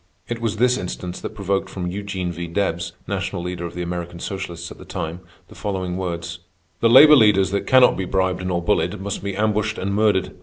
It was this instance that provoked from Eugene V. Debs, national leader of the American socialists at the time, the following words: "_The labor leaders that cannot be bribed nor bullied, must be ambushed and murdered.